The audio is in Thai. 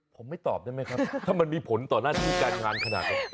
ผมไม่ตอบได้ไหมครับถ้ามันมีผลต่อหน้าที่การงานขนาดนั้น